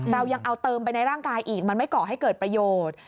เรายังเอาเติมไปในร่างกายอีกมันไม่ก่อให้เกิดประโยชน์